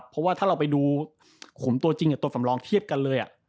เพราะว่าถ้าเราไปดูขุมตัวจริงกับตัวสำรองเทียบกันเลย